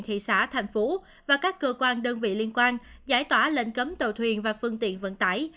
thị xã thành phố và các cơ quan đơn vị liên quan giải tỏa lệnh cấm tàu thuyền và phương tiện vận tải